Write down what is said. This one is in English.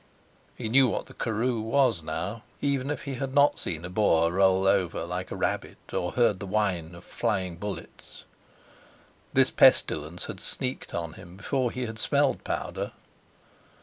He knew what the Karoo was now, even if he had not seen a Boer roll over like a rabbit, or heard the whine of flying bullets. This pestilence had sneaked on him before he had smelled powder.